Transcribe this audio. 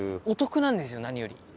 お得なんですよ何より。